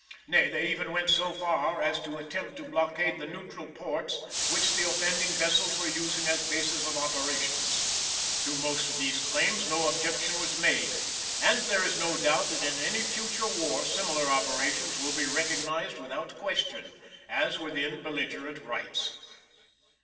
Nay, they even went so far as to attempt to blockade the neutral ports which the offending vessels were using as bases of operations. To most of these claims no objection was made, and there is no doubt that in any future war similar operations will be recognised without question, as within belligerent rights.